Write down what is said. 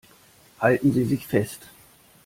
Halten Sie sich fest!